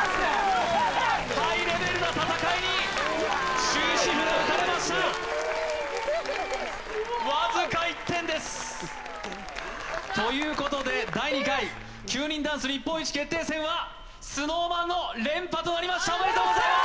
ハイレベルな戦いに終止符が打たれました！ということで第２回９人ダンス日本一決定戦はＳｎｏｗＭａｎの連覇となりましたおめでとうございます！